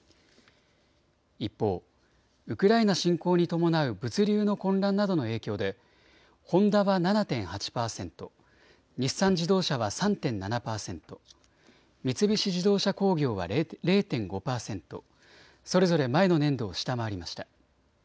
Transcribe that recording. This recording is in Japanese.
一方、ウクライナ侵攻に伴う物流の混乱などの影響でホンダは７．８％、日産自動車は３．７％、三菱自動車工業は０．５％、それぞれ前の年度を下回りました。